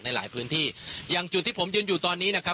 ตอนนี้ผมอยู่ในพื้นที่อำเภอโขงเจียมจังหวัดอุบลราชธานีนะครับ